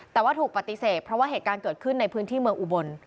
แต่ว่าถูกปฏิเสธเพราะว่าเหตุการณ์เกิดขึ้นในพื้นที่เมืองอุบล